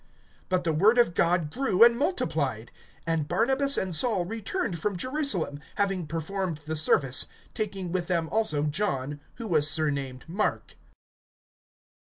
(24)But the word of God grew and multiplied. (25)And Barnabas and Saul returned from Jerusalem, having performed the service, taking with them also John, who was surnamed Mark.